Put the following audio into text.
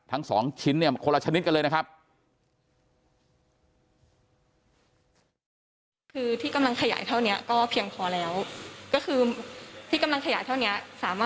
ทั้ง๒ชิ้นเนี่ยคนละชนิดกันเลยนะครับ